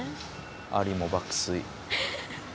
アリも爆睡。